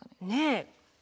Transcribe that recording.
ねえ。